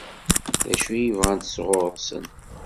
D acu i bɣant sɣur-sen?